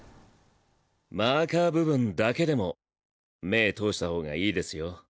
マーカー部分だけでも目通した方がいいですよ。